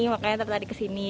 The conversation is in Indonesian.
makanya tertarik kesini